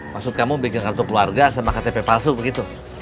maksud kamu bikin kartu keluarga sama ktp palsu begitu